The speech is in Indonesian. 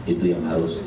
itu yang harus